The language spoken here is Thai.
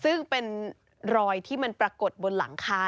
ซึ่งเป็นรอยที่มันปรากฏบนหลังคา